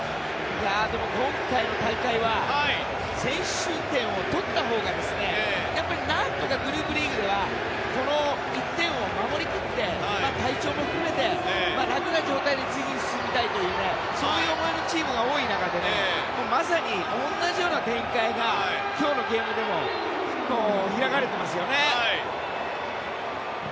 今回の大会は先取点を取ったほうがやっぱり何とかグループリーグではこの１点を守り切って体調も含めて楽な状態で次に進みたいという思いのチームが多い中でねまさに同じような展開が今日のゲームでも開かれていますね。